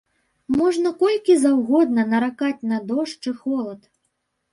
Можна колькі заўгодна наракаць на дождж і холад.